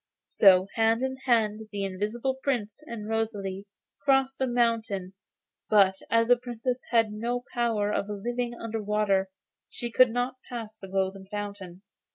So hand in hand the invisible Prince and Rosalie crossed the mountain; but as the Princess had no power of living under water, she could not pass the Golden Fountain.